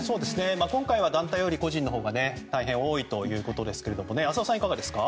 今回は団体より個人のほうが大変多いということですが浅尾さん、いかがですか。